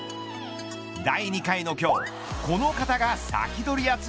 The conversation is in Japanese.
第２回の今日この方がサキドリ！